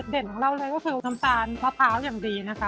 ของเราเลยก็คือน้ำตาลมะพร้าวอย่างดีนะคะ